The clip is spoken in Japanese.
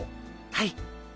はい。